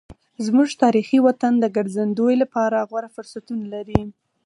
زموږ تاریخي وطن د ګرځندوی لپاره غوره فرصتونه لري.